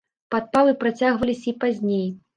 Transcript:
Падпалы працягваліся і пазней.